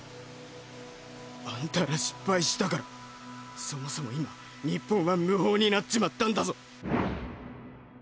あんたら失敗したからそもそも今日本は無法になっちまったんだぞ。